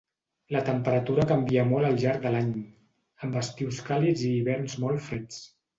La temperatura canvia molt al llarg de l'any, amb estius càlids i hiverns molt freds.